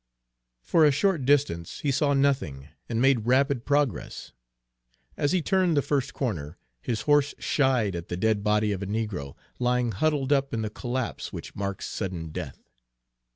For a short distance he saw nothing, and made rapid progress. As he turned the first corner, his horse shied at the dead body of a negro, lying huddled up in the collapse which marks sudden death.